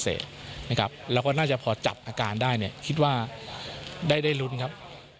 เราก็น่าจะพอจับอาการได้คิดว่าได้รุ้นครับ